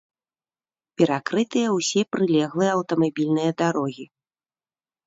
Перакрытыя ўсе прылеглыя аўтамабільныя дарогі.